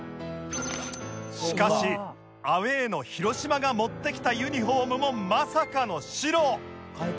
しかしアウェーの広島が持ってきたユニホームもまさかの白！